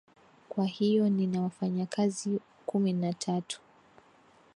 kwa hiyo nina wafanyakazi kumi na tatu